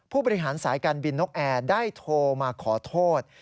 ผู้บริหารสายการบินนกแอร์ได้โทรมาขอโทษ